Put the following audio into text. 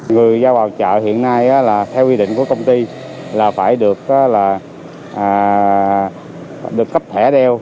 người ra vào chợ hiện nay là theo quy định của công ty là phải được cấp thẻ đeo